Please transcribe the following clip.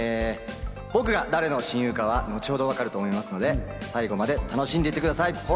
僕が誰の親友かは後ほど分かると思いますので最後まで楽しんでいってください。